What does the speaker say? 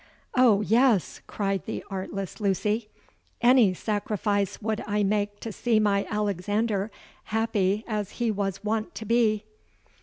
—'Oh! yes,' cried the artless Lucy; 'any sacrifice would I make to see my Alexander happy as he was wont to be!'